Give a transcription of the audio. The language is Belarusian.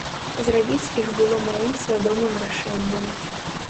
Зрабіць іх было маім свядомым рашэннем.